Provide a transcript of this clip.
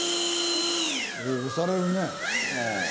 押されるね。